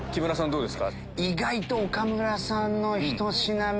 どうです？